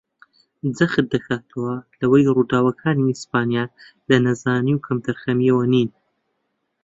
جەخت دەکاتەوە لەوەی ڕووداوەکانی ئیسپانیا لە نەزانی و کەمتەرخەمییەوە نین